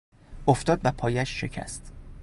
افتاد و پایش شکست.